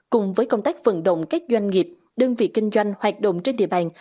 cùng với công tác vận động các doanh nghiệp đơn vị kinh doanh hoạt động trên địa bàn